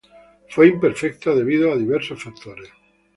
Fue imperfecta debido a diversos factores.